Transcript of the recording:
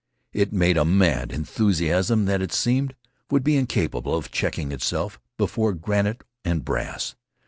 It made a mad enthusiasm that, it seemed, would be incapable of checking itself before granite and brass.